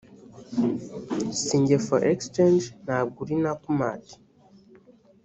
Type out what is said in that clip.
sinjye for exchange ntabwo uri Nakumatt